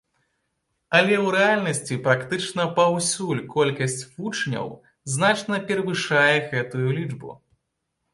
Але ў рэальнасці практычна паўсюль колькасць вучняў значна перавышае гэтую лічбу.